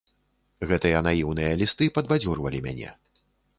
Гэтыя наіўныя лісты падбадзёрвалі мяне.